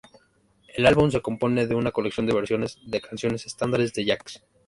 El álbum se compone de una colección de versiones de canciones estándares de jazz.